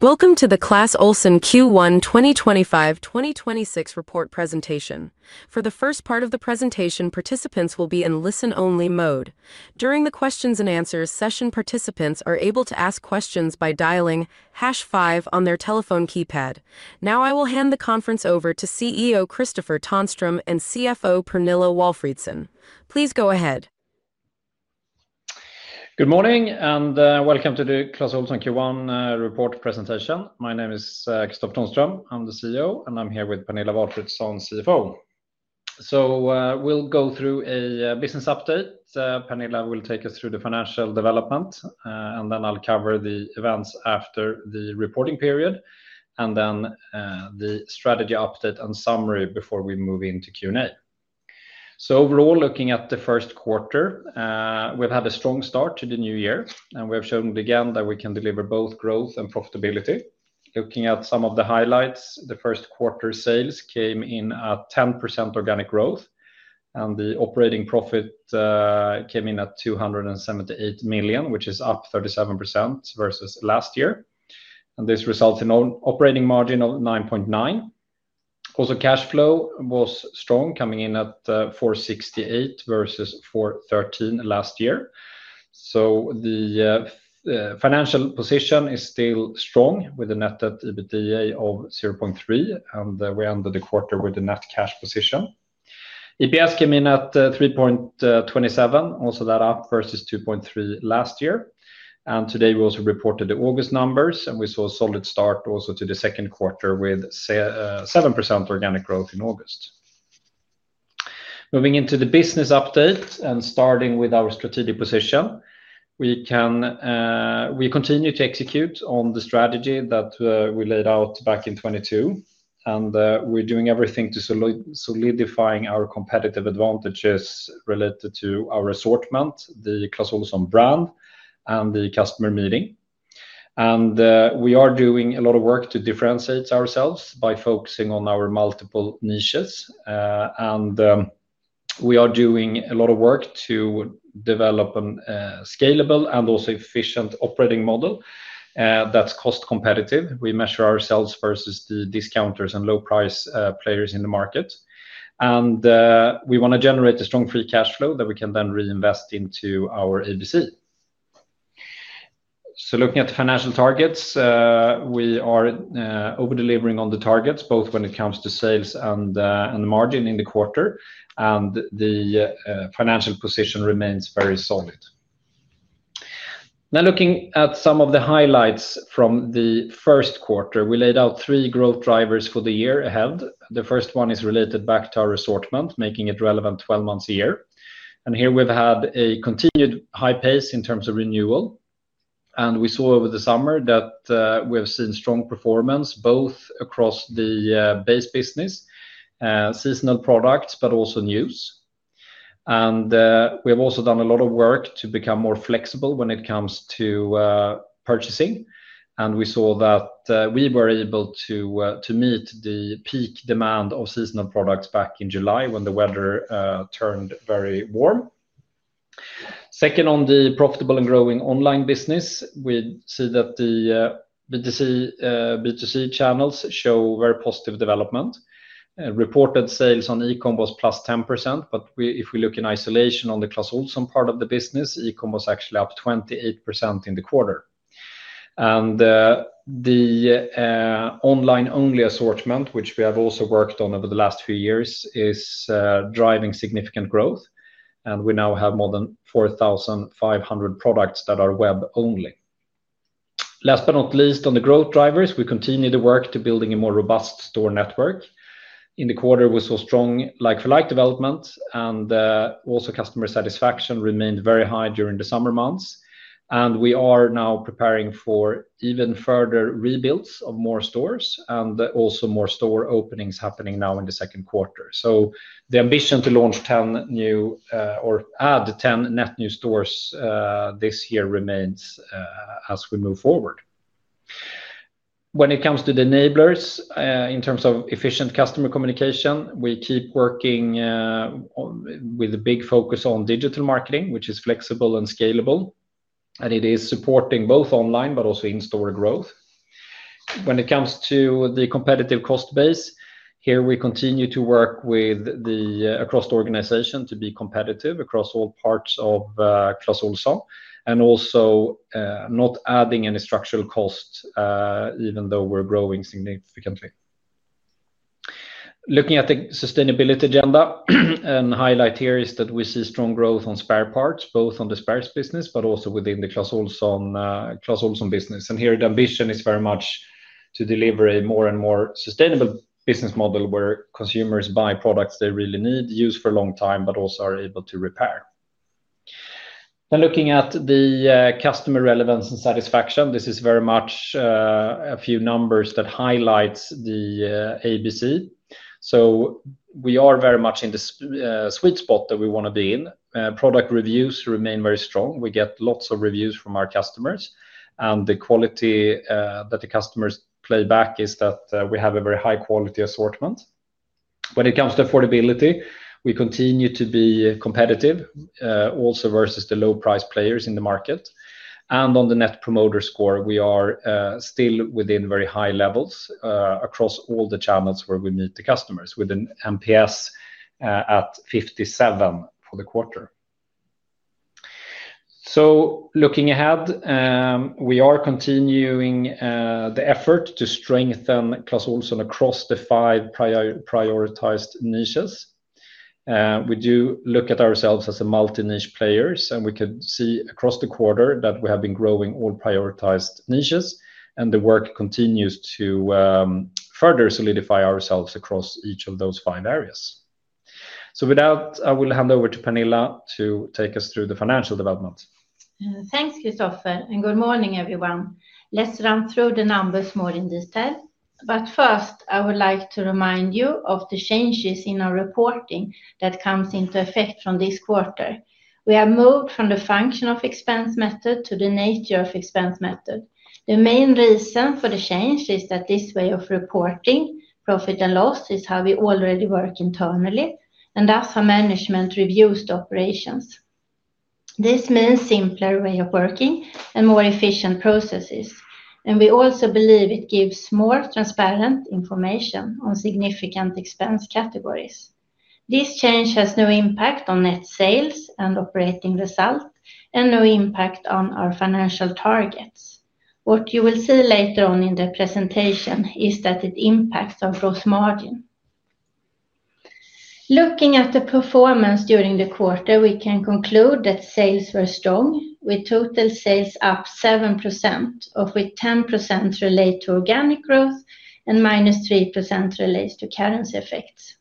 Welcome to the Clas Ohlson Q1 2025-2026 report presentation. For the first part of the presentation, participants will be in listen-only mode. During the questions and answers session, participants are able to ask questions by dialing #5 on their telephone keypad. Now, I will hand the conference over to CEO Kristofer Tonström and CFO Pernilla Walfridsson. Please go ahead. Good morning and welcome to the Clas Ohlson Q1 report presentation. My name is Kristofer Tonström, I'm the CEO, and I'm here with Pernilla Walfridsson, CFO. We'll go through a business update. Pernilla will take us through the financial development, and then I'll cover the events after the reporting period, and then the strategy update and summary before we move into Q&A. Overall, looking at the first quarter, we've had a strong start to the new year, and we have shown again that we can deliver both growth and profitability. Looking at some of the highlights, the first quarter sales came in at 10% organic growth, and the operating profit came in at 278 million, which is up 37% versus last year. This results in an operating margin of 9.9%. Also, cash flow was strong, coming in at 468 million versus 413 million last year. The financial position is still strong with a netted EBITDA of 0.3, and we ended the quarter with a net cash position. EPS came in at 3.27, also that up versus 2.3 last year. Today, we also reported the August numbers, and we saw a solid start also to the second quarter with 7% organic growth in August. Moving into the business update and starting with our strategic position, we continue to execute on the strategy that we laid out back in 2022, and we're doing everything to solidify our competitive advantages related to our assortment, the Clas Ohlson brand, and the customer meeting. We are doing a lot of work to differentiate ourselves by focusing on our multiple niches, and we are doing a lot of work to develop a scalable and also efficient operating model that's cost-competitive. We measure ourselves versus the discounters and low-price players in the market, and we want to generate a strong free cash flow that we can then reinvest into our ABC. Looking at the financial targets, we are over-delivering on the targets, both when it comes to sales and the margin in the quarter, and the financial position remains very solid. Now, looking at some of the highlights from the first quarter, we laid out three growth drivers for the year ahead. The first one is related back to our assortment, making it relevant 12 months a year. Here, we've had a continued high pace in terms of renewal, and we saw over the summer that we have seen strong performance both across the base business, seasonal products, but also news. We have also done a lot of work to become more flexible when it comes to purchasing, and we saw that we were able to meet the peak demand of seasonal products back in July when the weather turned very warm. Second, on the profitable and growing online business, we see that the B2C channels show very positive development. Reported sales on e-commerce are up 10%, but if we look in isolation at the Clas Ohlson part of the business, e-commerce is actually up 28% in the quarter. The online-only assortment, which we have also worked on over the last few years, is driving significant growth, and we now have more than 4,500 products that are web-only. Last but not least, on the growth drivers, we continue to work to build a more robust store network. In the quarter, we saw strong like-for-like development, and customer satisfaction remained very high during the summer months. We are now preparing for even further rebuilds of more stores and also more store openings happening now in the second quarter. The ambition to launch 10 new or add 10 net new stores this year remains as we move forward. When it comes to the enablers, in terms of efficient customer communication, we keep working with a big focus on digital marketing, which is flexible and scalable, and it is supporting both online and in-store growth. When it comes to the competitive cost base, we continue to work across the organization to be competitive across all parts of Clas Ohlson and also not adding any structural cost, even though we're growing significantly. Looking at the sustainability agenda, a highlight here is that we see strong growth on spare parts, both on the Spares business and within the Clas Ohlson business. The ambition is very much to deliver a more and more sustainable business model where consumers buy products they really need, use for a long time, and are also able to repair. Looking at the customer relevance and satisfaction, this is very much a few numbers that highlight the ABC. We are very much in the sweet spot that we want to be in. Product reviews remain very strong. We get lots of reviews from our customers, and the quality that the customers play back is that we have a very high-quality assortment. When it comes to affordability, we continue to be competitive, also versus the low-price players in the markete On the Net Promoter Score, we are still within very high levels across all the channels where we meet the customers, with an NPS at 57 for the quarter. Looking ahead, we are continuing the effort to strengthen Clas Ohlson across the five prioritized niches. We do look at ourselves as a multi-niche player, and we can see across the quarter that we have been growing all prioritized niches, and the work continues to further solidify ourselves across each of those five areas. With that, I will hand over to Pernilla to take us through the financial developments. Thanks, Kristofer, and good morning, everyone. Let's run through the numbers more in detail, but first, I would like to remind you of the changes in our reporting that come into effect from this quarter. We have moved from the function of expense method to the nature of expense method. The main reason for the change is that this way of reporting profit and loss is how we already work internally, and that's how management reviews the operations. This means a simpler way of working and more efficient processes, and we also believe it gives more transparent information on significant expense categories. This change has no impact on net sales and operating result and no impact on our financial targets. What you will see later on in the presentation is that it impacts our gross margin. Looking at the performance during the quarter, we can conclude that sales were strong, with total sales up 7%, of which 10% relate to organic growth and -3% relates to currency effects.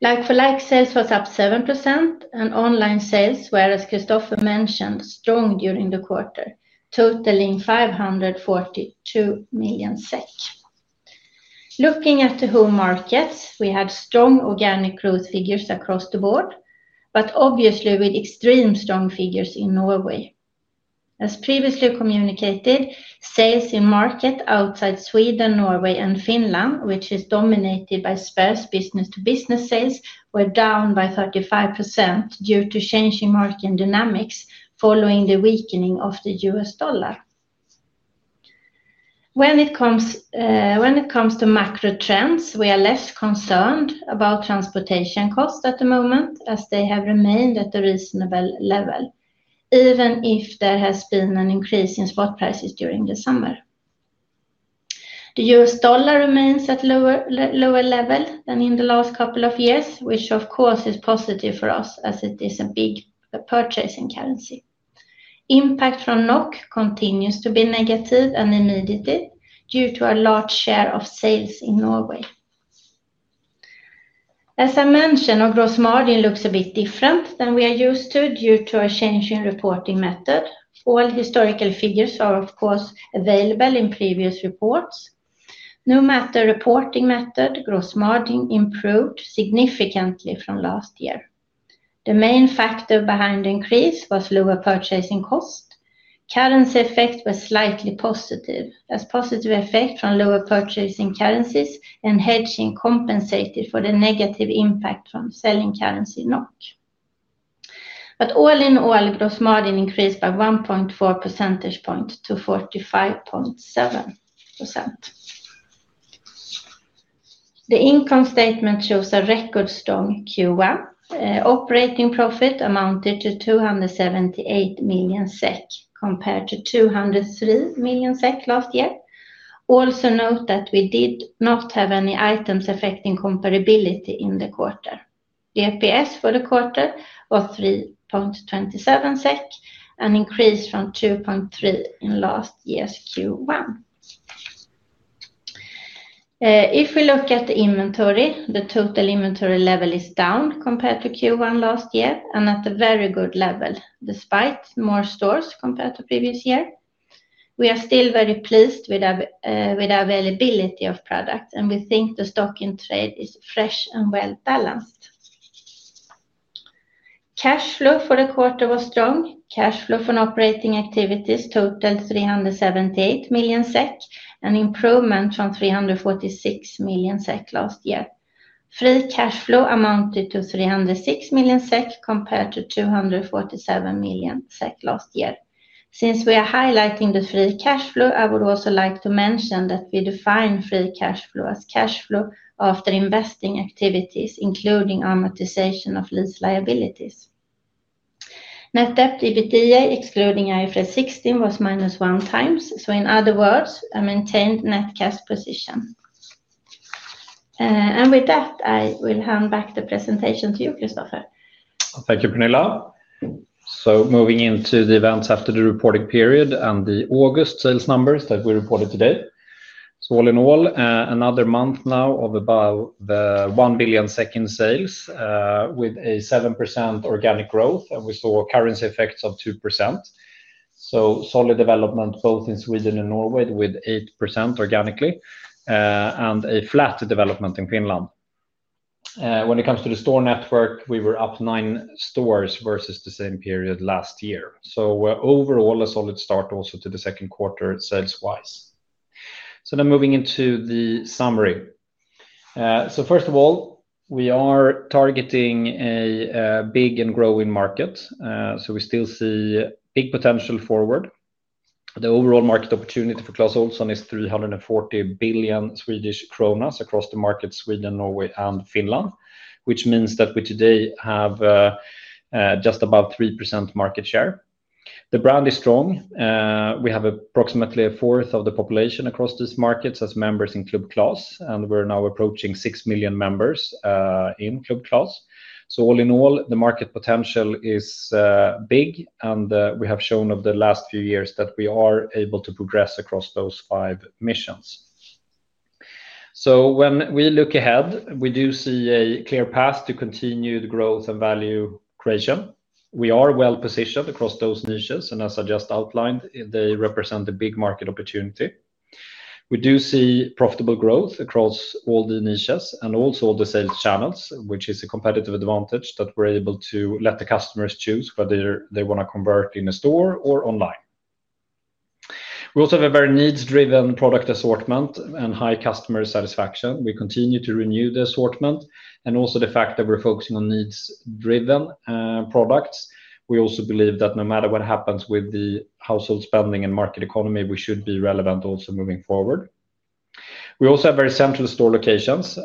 Like-for-like sales was up 7%, and online sales, whereas Kristofer mentioned, strong during the quarter, totaling 542 million SEK. Looking at the home markets, we had strong organic growth figures across the board, but obviously with extreme strong figures in Norway. As previously communicated, sales in markets outside Sweden, Norway, and Finland, which is dominated by spares business-to-business sales, were down by 35% due to changing market dynamics following the weakening of the U.S. dollar. When it comes to macro trends, we are less concerned about transportation costs at the moment, as they have remained at a reasonable level, even if there has been an increase in spot prices during the summer. The U.S. dollar remains at a lower level than in the last couple of years, which of course is positive for us as it is a big purchasing currency. Impact from NOK continues to be negative and immediate due to a large share of sales in Norway. As I mentioned, our gross margin looks a bit different than we are used to due to our changing reporting method. All historical figures are of course available in previous reports. No matter reporting method, gross margin improved significantly from last year. The main factor behind the increase was lower purchasing cost. Currency effect was slightly positive, as positive effect from lower purchasing currencies and hedging compensated for the negative impact from selling currency NOK. All in all, gross margin increased by 1.4 percentage point to 45.7%. The income statement shows a record strong Q1. Operating profit amounted to 278 million SEK compared to 203 million SEK last year. Also, note that we did not have any items affecting comparability in the quarter. EPS for the quarter was 3.27 SEK, an increase from 2.3 in last year's Q1. If we look at the inventory, the total inventory level is down compared to Q1 last year and at a very good level despite more stores compared to previous year. We are still very pleased with the availability of products, and we think the stock in trade is fresh and well balanced. Cash flow for the quarter was strong. Cash flow from operating activities totaled 378 million SEK, an improvement from 346 million SEK last year. Free cash flow amounted to 306 million SEK compared to 247 million SEK last year. Since we are highlighting the free cash flow, I would also like to mention that we define free cash flow as cash flow after investing activities, including amortization of lease liabilities. Net debt EBITDA, excluding IFRS 16, was minus one times, in other words, a maintained net cash position. With that, I will hand back the presentation to you, Kristofer. Thank you, Pernilla. Moving into the events after the reporting period and the August sales numbers that we reported today, all in all, another month now of about 1 billion sales with 7% organic growth, and we saw currency effects of 2%. Solid development both in Sweden and Norway with 8% organically and a flat development in Finland. When it comes to the store network, we were up nine stores versus the same period last year. Overall, a solid start also to the second quarter sales-wise. Now moving into the summary. First of all, we are targeting a big and growing market, so we still see big potential forward. The overall market opportunity for Clas Ohlson is 340 billion Swedish kronor across the markets Sweden, Norway, and Finland, which means that we today have just about 3% market share. The brand is strong. We have approximately a fourth of the population across these markets as members in Club Clas, and we're now approaching six million members in Club Clas. All in all, the market potential is big, and we have shown over the last few years that we are able to progress across those five missions. When we look ahead, we do see a clear path to continued growth and value creation. We are well positioned across those niches, and as I just outlined, they represent a big market opportunity. We do see profitable growth across all the niches and also the sales channels, which is a competitive advantage that we're able to let the customers choose whether they want to convert in a store or online. We also have a very needs-driven product assortment and high customer satisfaction. We continue to renew the assortment, and also the fact that we're focusing on needs-driven products. We also believe that no matter what happens with the household spending and market economy, we should be relevant also moving forward. We also have very central store locations,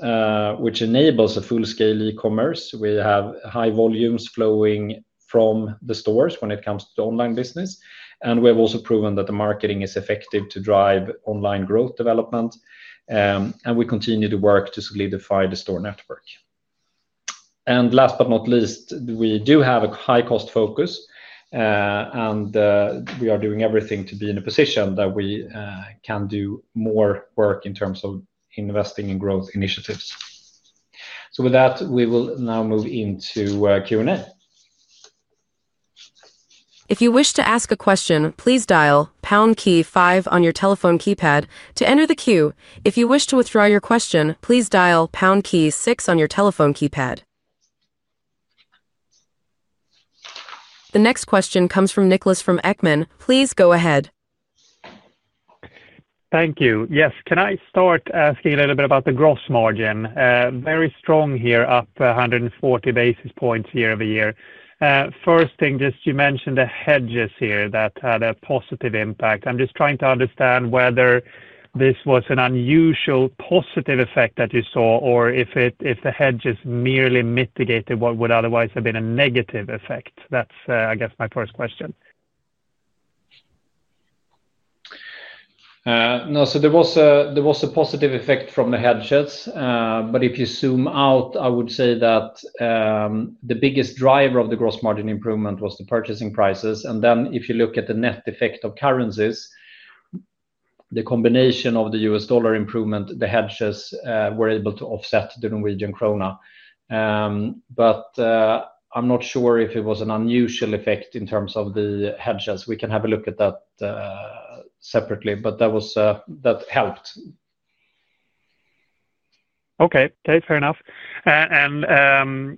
which enable a full-scale e-commerce. We have high volumes flowing from the stores when it comes to online business, and we have also proven that the marketing is effective to drive online growth development, and we continue to work to solidify the store network. Last but not least, we do have a high-cost focus, and we are doing everything to be in a position that we can do more work in terms of investing in growth initiatives. With that, we will now move into Q&A. If you wish to ask a question, please dial pound key five on your telephone keypad to enter the queue. If you wish to withdraw your question, please dial pound key six on your telephone keypad. The next question comes from Niklas from Ekman. Please go ahead. Thank you. Yes, can I start asking a little bit about the gross margin? Very strong here, up 140 basis points year-over- year. First thing, just you mentioned the hedges here that had a positive impact. I'm just trying to understand whether this was an unusual positive effect that you saw or if the hedges merely mitigated what would otherwise have been a negative effect. That's, I guess, my first question. No, so there was a positive effect from the hedges, but if you zoom out, I would say that the biggest driver of the gross margin improvement was the purchasing prices. If you look at the net effect of currencies, the combination of the U.S. dollar improvement, the hedges were able to offset the Norwegian krona. I'm not sure if it was an unusual effect in terms of the hedges. We can have a look at that separately, but that helped. Okay, fair enough.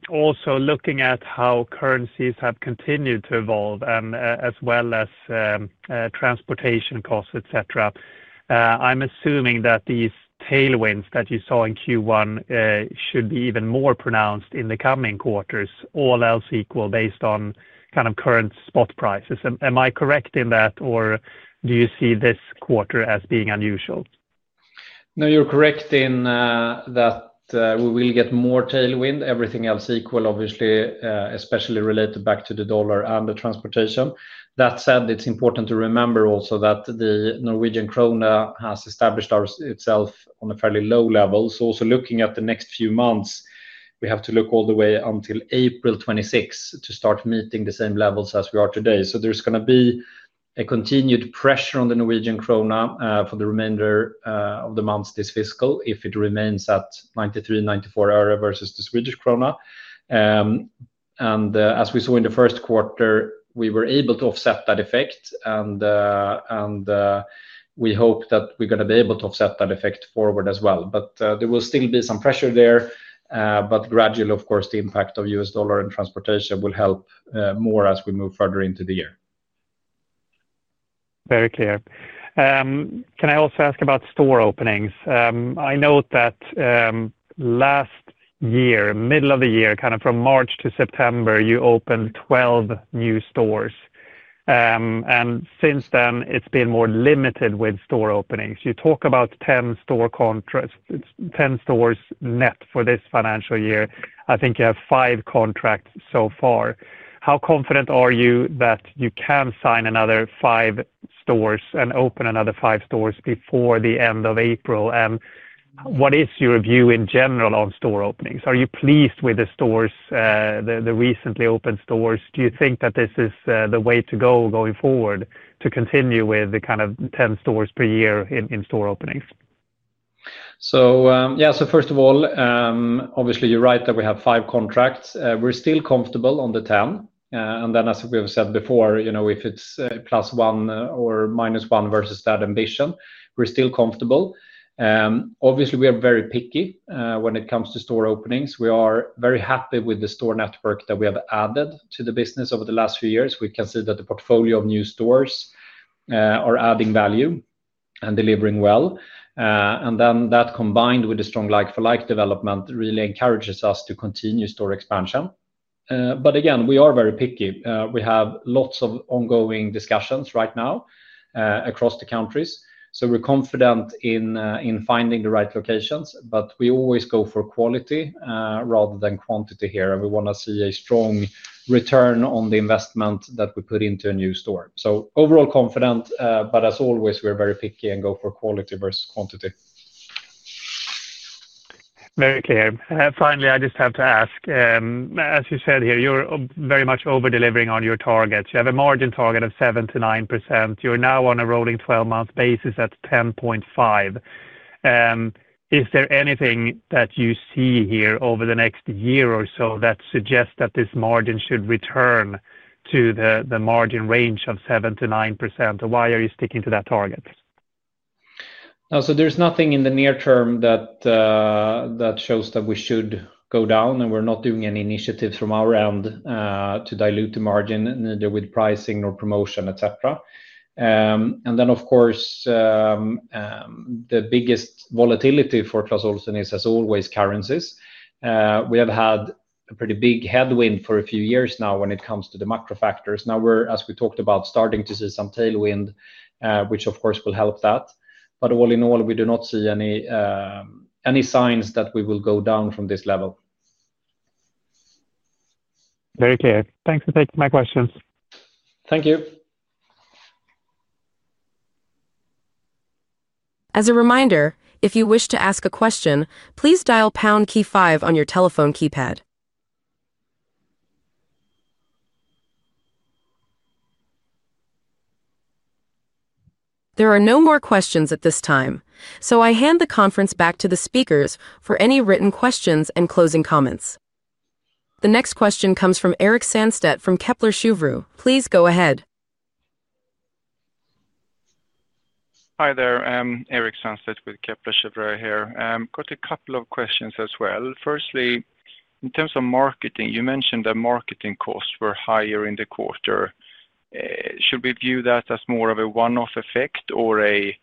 Also looking at how currencies have continued to evolve as well as transportation costs, etc., I'm assuming that these tailwinds that you saw in Q1 should be even more pronounced in the coming quarters, all else equal, based on kind of current spot prices. Am I correct in that, or do you see this quarter as being unusual? No, you're correct in that we will get more tailwind, everything else equal, obviously, especially related back to the dollar and the transportation. That said, it's important to remember also that the Norwegian krona has established itself on a fairly low level. Also looking at the next few months, we have to look all the way until April 2026 to start meeting the same levels as we are today. There's going to be a continued pressure on the Norwegian krona for the remainder of the month this fiscal if it remains at 93, 94 euro versus the Swedish krona. As we saw in the first quarter, we were able to offset that effect, and we hope that we're going to be able to offset that effect forward as well. There will still be some pressure there, but gradually, of course, the impact of U.S. dollar and transportation will help more as we move further into the year. Very clear. Can I also ask about store openings? I note that last year, middle of the year, kind of from March to September, you opened 12 new stores. Since then, it's been more limited with store openings. You talk about 10 store contracts, 10 stores net for this financial year. I think you have five contracts so far. How confident are you that you can sign another five stores and open another five stores before the end of April? What is your view in general on store openings? Are you pleased with the stores, the recently opened stores? Do you think that this is the way to go going forward to continue with the kind of 10 stores per year in store openings? First of all, obviously, you're right that we have five contracts. We're still comfortable on the 10. As we've said before, if it's plus one or minus one versus that ambition, we're still comfortable. Obviously, we are very picky when it comes to store openings. We are very happy with the store network that we have added to the business over the last few years. We can see that the portfolio of new stores are adding value and delivering well. That, combined with the strong like-for-like development, really encourages us to continue store expansion. We are very picky. We have lots of ongoing discussions right now across the countries. We're confident in finding the right locations, but we always go for quality rather than quantity here. We want to see a strong return on the investment that we put into a new store. Overall confident, but as always, we're very picky and go for quality versus quantity. Very clear. Finally, I just have to ask, as you said here, you're very much over-delivering on your targets. You have a margin target of 7%-9%. You're now on a rolling 12-month basis at 10.5%. Is there anything that you see here over the next year or so that suggests that this margin should return to the margin range of 7%-9%? Why are you sticking to that target? There's nothing in the near term that shows that we should go down, and we're not doing any initiatives from our end to dilute the margin, neither with pricing nor promotion, etc. Of course, the biggest volatility for Clas Ohlson is, as always, currencies. We have had a pretty big headwind for a few years now when it comes to the macro factors. Now we're, as we talked about, starting to see some tailwind, which of course will help that. All in all, we do not see any signs that we will go down from this level. Very clear. Thanks for taking my questions. Thank you. As a reminder, if you wish to ask a question, please dial pound key five on your telephone keypad. There are no more questions at this time, so I hand the conference back to the speakers for any written questions and closing comments. The next question comes from Erik Sandstedt from Kepler Cheuvreux. Please go ahead. Hi there. I'm Erik Sandstedt with Kepler Cheuvreux. I've got a couple of questions as well. Firstly, in terms of marketing, you mentioned that marketing costs were higher in the quarter. Should we view that as more of a one-off effect or a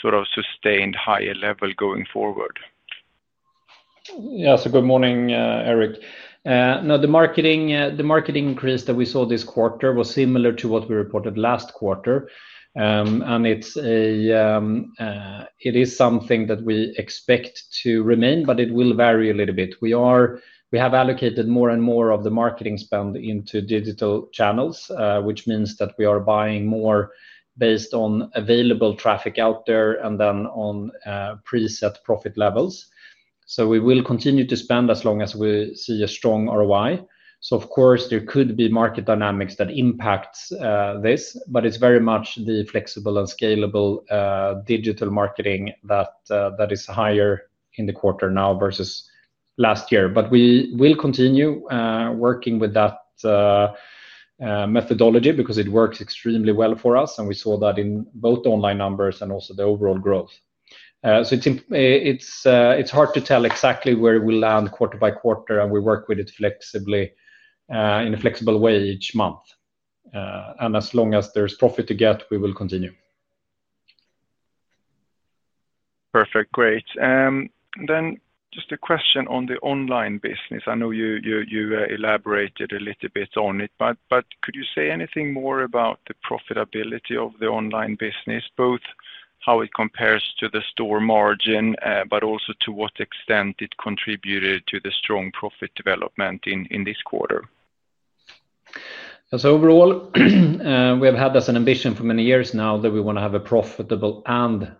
sort of sustained higher level going forward? Good morning, Erik. The marketing increase that we saw this quarter was similar to what we reported last quarter, and it is something that we expect to remain, but it will vary a little bit. We have allocated more and more of the marketing spend into digital channels, which means that we are buying more based on available traffic out there and then on preset profit levels. We will continue to spend as long as we see a strong ROI. There could be market dynamics that impact this, but it's very much the flexible and scalable digital marketing that is higher in the quarter now versus last year. We will continue working with that methodology because it works extremely well for us, and we saw that in both online numbers and also the overall growth. It's hard to tell exactly where it will land quarter by quarter, and we work with it in a flexible way each month. As long as there's profit to get, we will continue. Perfect, great. Just a question on the online business. I know you elaborated a little bit on it, but could you say anything more about the profitability of the online business, both how it compares to the store margin, but also to what extent it contributed to the strong profit development in this quarter? Overall, we have had this ambition for many years now that we want to have a profitable and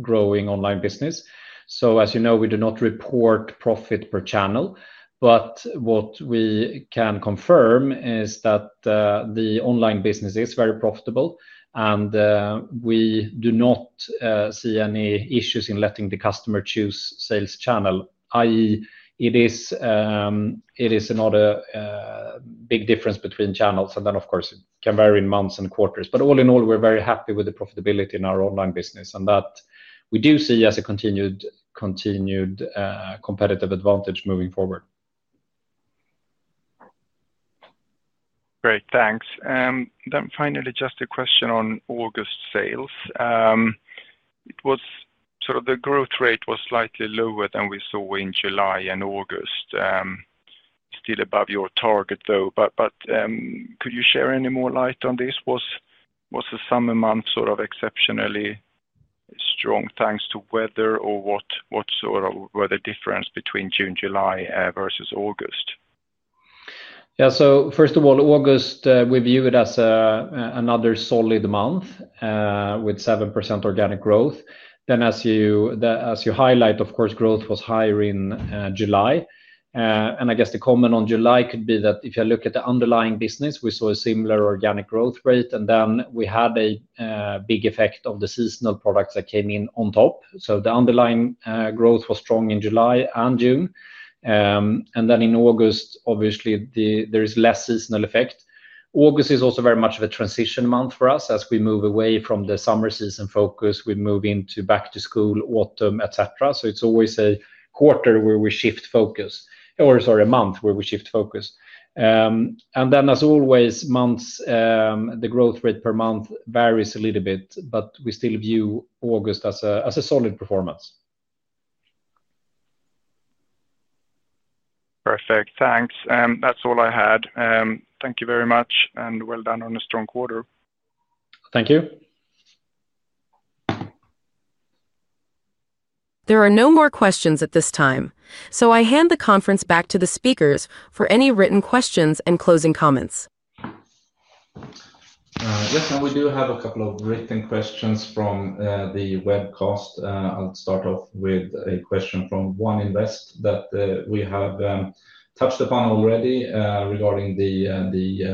growing online business. As you know, we do not report profit per channel, but what we can confirm is that the online business is very profitable, and we do not see any issues in letting the customer choose sales channel. It is another big difference between channels, and of course, it can vary in months and quarters. All in all, we're very happy with the profitability in our online business, and that we do see as a continued competitive advantage moving forward. Great, thanks. Finally, just a question on August sales. The growth rate was slightly lower than we saw in July and August, still above your target, though. Could you share any more light on this? Was the summer month sort of exceptionally strong thanks to weather, or what was the difference between June, July, versus August? Yeah, so first of all, August we view it as another solid month with 7% organic growth. As you highlight, of course, growth was higher in July. I guess the comment on July could be that if you look at the underlying business, we saw a similar organic growth rate, and then we had a big effect of the seasonal products that came in on top. The underlying growth was strong in July and June. In August, obviously, there is less seasonal effect. August is also very much of a transition month for us as we move away from the summer season focus. We move into back to school, autumn, etc. It's always a month where we shift focus. As always, the growth rate per month varies a little bit, but we still view August as a solid performance. Perfect, thanks. That's all I had. Thank you very much, and well done on a strong quarter. Thank you. There are no more questions at this time, so I hand the conference back to the speakers for any written questions and closing comments. Let's see, we do have a couple of written questions from the webcast. I'll start off with a question from One Invest that we have touched upon already regarding the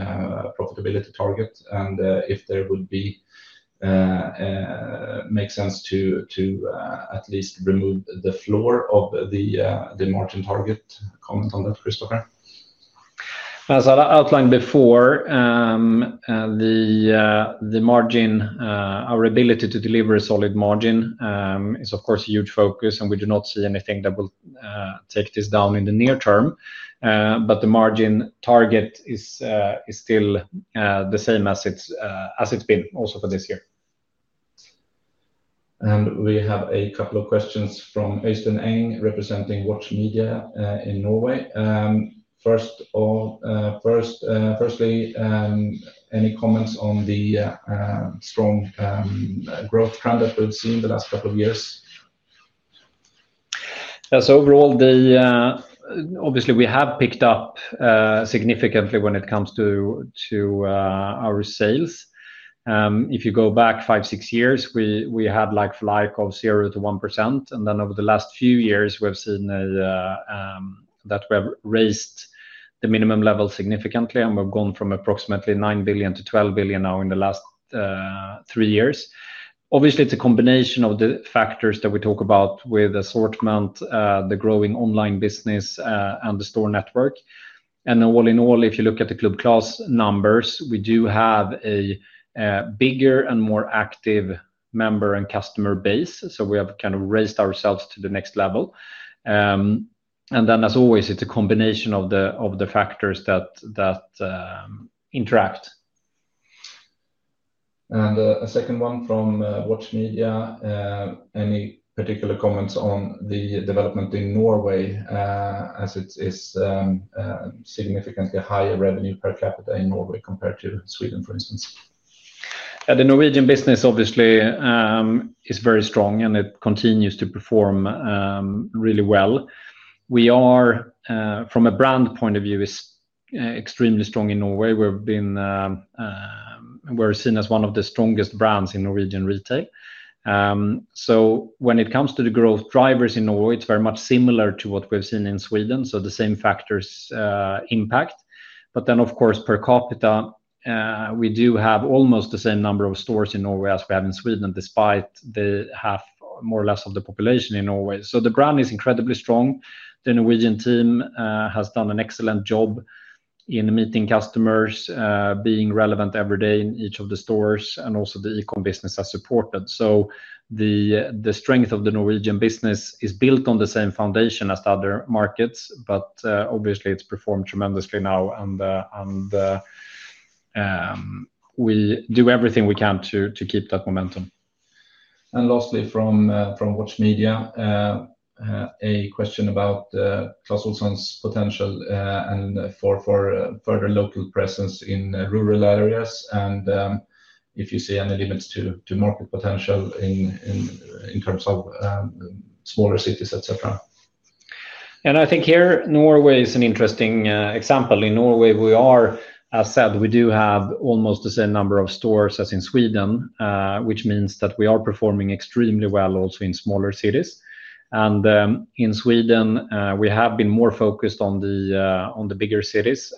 profitability target, and if there would be make sense to at least remove the floor of the margin target. Comment on that, Kristofer. As I outlined before, our ability to deliver a solid margin is, of course, a huge focus, and we do not see anything that will take this down in the near term. The margin target is still the same as it's been also for this year. We have a couple of questions from Øystein Eing, representing Watch Media in Norway. Firstly, any comments on the strong growth trend that we've seen the last couple of years? Yeah, so overall, obviously, we have picked up significantly when it comes to our sales. If you go back five, six years, we had like-for-like of 0%-1%, and then over the last few years, we've seen that we have raised the minimum level significantly, and we've gone from approximately 9 billion to 12 billion now in the last three years. Obviously, it's a combination of the factors that we talk about with assortment, the growing online business, and the store network. All in all, if you look at the Club Clas numbers, we do have a bigger and more active member and customer base, so we have kind of raised ourselves to the next level. As always, it's a combination of the factors that interact. A second one from Watch Media. Any particular comments on the development in Norway, as it is significantly higher revenue per capita in Norway compared to Sweden, for instance? Yeah, the Norwegian business, obviously, is very strong, and it continues to perform really well. We are, from a brand point of view, extremely strong in Norway. We've been seen as one of the strongest brands in Norwegian retail. When it comes to the growth drivers in Norway, it's very much similar to what we've seen in Sweden, so the same factors impact. Of course, per capita, we do have almost the same number of stores in Norway as we have in Sweden, despite the half more or less of the population in Norway. The brand is incredibly strong. The Norwegian team has done an excellent job in meeting customers, being relevant every day in each of the stores, and also the e-commerce business has supported. The strength of the Norwegian business is built on the same foundation as the other markets, but obviously, it's performed tremendously now, and we do everything we can to keep that momentum. Lastly, from Watch Media, a question about Clas Ohlson's potential and for further local presence in rural areas, and if you see any limits to market potential in terms of smaller cities, etc. I think here Norway is an interesting example. In Norway, we are, as said, we do have almost the same number of stores as in Sweden, which means that we are performing extremely well also in smaller cities. In Sweden, we have been more focused on the bigger cities,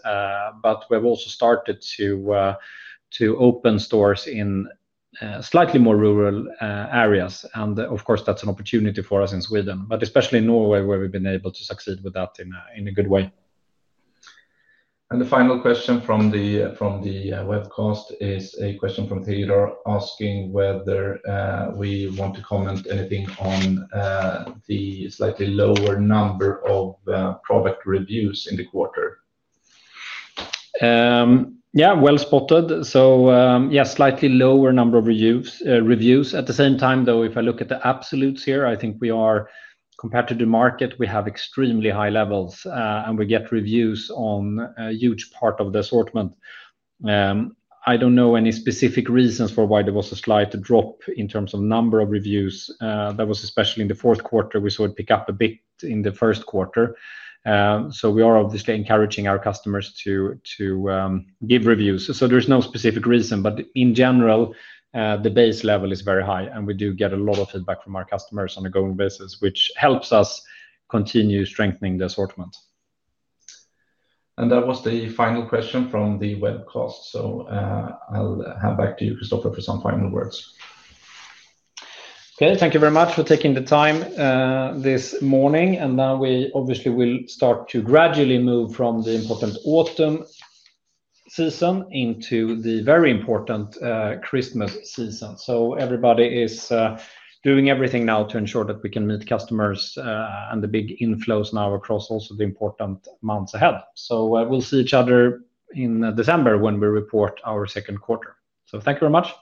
but we have also started to open stores in slightly more rural areas, and of course, that's an opportunity for us in Sweden, but especially in Norway, where we've been able to succeed with that in a good way. The final question from the webcast is a question from Theodore asking whether we want to comment anything on the slightly lower number of product reviews in the quarter. Yeah, well spotted. Slightly lower number of reviews. At the same time, though, if I look at the absolutes here, I think we are, compared to the market, we have extremely high levels, and we get reviews on a huge part of the assortment. I don't know any specific reasons for why there was a slight drop in terms of number of reviews. That was especially in the fourth quarter. We saw it pick up a bit in the first quarter. We are obviously encouraging our customers to give reviews. There's no specific reason, but in general, the base level is very high, and we do get a lot of feedback from our customers on a going basis, which helps us continue strengthening the assortment. That was the final question from the webcast. I'll hand back to you, Kristofer, for some final words. Thank you very much for taking the time this morning. Now we obviously will start to gradually move from the important autumn season into the very important Christmas season. Everybody is doing everything now to ensure that we can meet customers and the big inflows now across also the important months ahead. We'll see each other in December when we report our second quarter. Thank you very much.